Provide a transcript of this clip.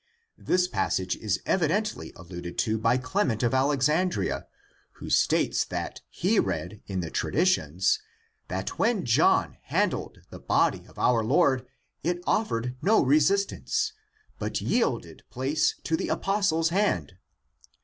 This passage is evidently alluded to by Clement of Alexandria (Hypoty poses on I John, i, i), who states that he read "in the traditions " that when John handled the body of our Lord it offered no resistance, but yielded place to the apostle's hand.